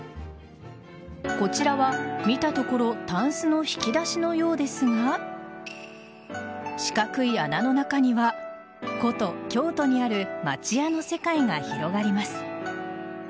こちらは見たところたんすの引き出しのようですが四角い穴の中には古都・京都にある町家の世界が広がります。